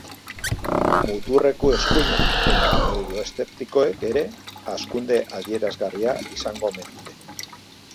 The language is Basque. Muturreko eskuinak eta euroeszeptikoek ere hazkunde adierazgarria izango omen dute.